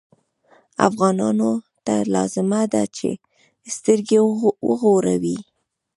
افغانانو ته لازمه ده چې سترګې وغړوي.